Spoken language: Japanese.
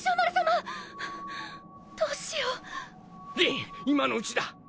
りん今のうちだ。